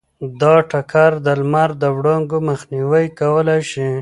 دا ټکر د لمر د وړانګو مخنیوی کولی شي.